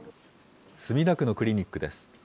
墨田区のクリニックです。